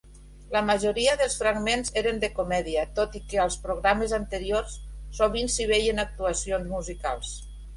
La majoria dels fragments eren de comèdia, tot i que als programes anteriors sovint s'hi veien actuacions musicals.